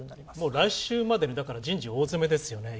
来週まで人事、大詰めですよね。